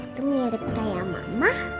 itu mirip kayak mama